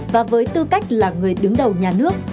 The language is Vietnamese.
và với tư cách là người đứng đầu nhà nước